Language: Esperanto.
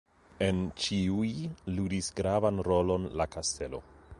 En ĉiuj ludis gravan rolon la kastelo.